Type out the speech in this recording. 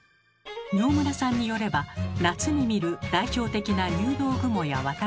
饒村さんによれば夏に見る代表的な入道雲やわた